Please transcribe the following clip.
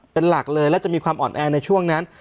เป็นหลักเลยและจะมีความอ่อนแอในช่วงนั้น